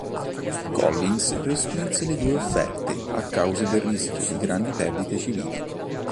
Collins respinse le due offerte a causa del rischio di grandi perdite civili.